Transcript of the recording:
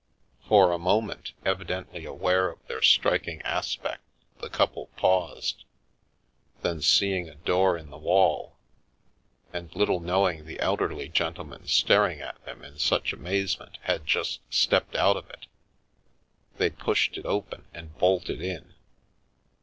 For a moment, evidently aware of their striking aspect, the couple paused, then, seeing a door in the wall, and little knowing the elderly gentleman staring at them in such amazement had just stepped out of it, they pushed it open and bolted in.